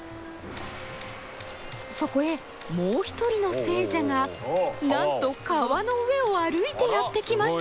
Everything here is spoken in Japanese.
そこへもう一人の聖者がなんと川の上を歩いてやって来ました！